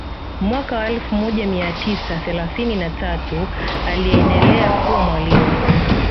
Mwaka wa elfu moja mia tisa thelathinni na tatu aliendelea kuwa mwalimu